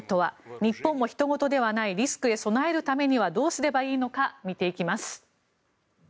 日本もひと事ではないリスクへ備えるためにはどうすればいいのか見ていきます。